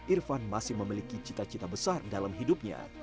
irfan masih memiliki cita cita besar dalam hidupnya